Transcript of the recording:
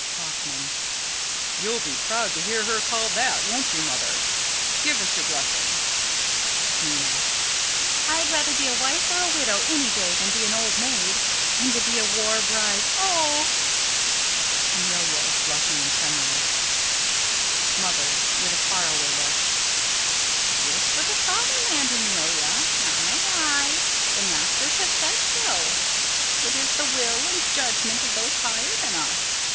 Hoffman: You'll be proud to hear her called that, won't you, Mother? Give us your blessing. Minna: I'd rather be a wife or a widow any day than be an old maid; and to be a war bride oh! [Amelia is blushing and tremulous.] Mother: [With a far away look.] It is for the fatherland, Amelia. Aye, aye, the masters have said so. It is the will and judgment of those higher than us.